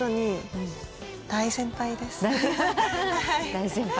大先輩？